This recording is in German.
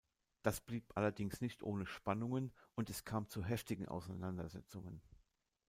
Das blieb allerdings nicht ohne Spannungen und es kam zu heftigen Auseinandersetzungen.